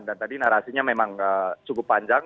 dan tadi narasinya memang cukup panjang